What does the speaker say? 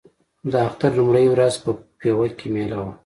د اختر لومړۍ ورځ په پېوه کې مېله وه.